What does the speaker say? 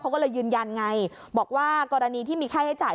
เขาก็เลยยืนยันไงบอกว่ากรณีที่มีค่าใช้จ่าย